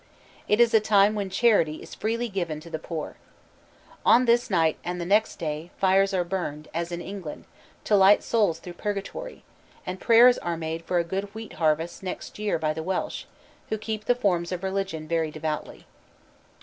It is a time when charity is given freely to the poor. On this night and the next day, fires are burned, as in England, to light souls through Purgatory, and prayers are made for a good wheat harvest next year by the Welsh, who keep the forms of religion very devoutly.